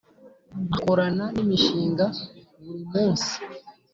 Akorana n’imishinga buri munsi